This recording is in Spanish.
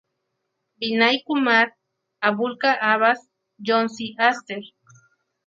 Vinay Kumar, Abul K. Abbas, Jon C. Aster.